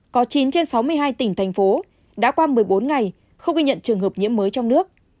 có chín trên sáu mươi hai tỉnh thành phố đã qua một mươi bốn ngày không ghi nhận trường hợp nhiễm mới trong nước